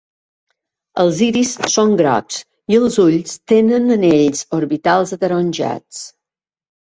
Els iris són grocs i els ulls tenen anells orbitals ataronjats.